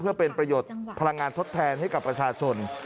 เพื่อเป็นประโยชน์พลังงานทดแทนให้กับประชาชน